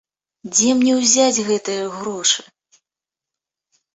Дзе мне ўзяць гэтыя грошы?